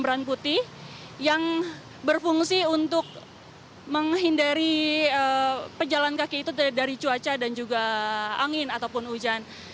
brand putih yang berfungsi untuk menghindari pejalan kaki itu dari cuaca dan juga angin ataupun hujan